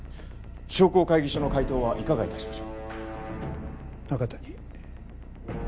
商工会議所の会頭はいかが致しましょう？